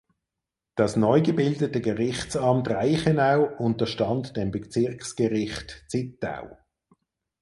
Das neugebildete Gerichtsamt Reichenau unterstand dem Bezirksgericht Zittau.